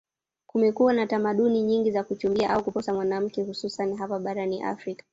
kumekuwa na tamaduni nyingi za kuchumbia au kuposa mwanamke hususani hapa barani afrika